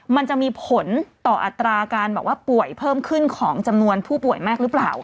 มันจะมีผลต่ออัตราการบอกว่าป่วยเพิ่มขึ้นของจำนวนผู้ป่วยมากหรือเปล่า